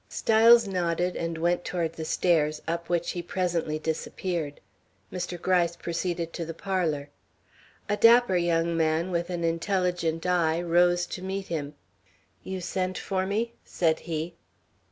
Styles nodded, and went toward the stairs, up which he presently disappeared. Mr. Gryce proceeded to the parlor. A dapper young man with an intelligent eye rose to meet him. "You sent for me," said he.